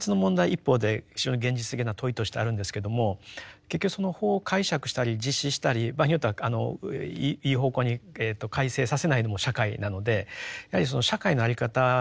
一方で非常に現実的な問いとしてあるんですけども結局その法を解釈したり実施したり場合によってはいい方向に改正させないのも社会なのでやはりその社会の在り方もですね